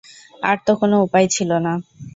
আর তো কোনো উপায় ছিল না।